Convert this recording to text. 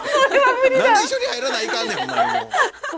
何で一緒に入らないかんねんほんまにもう。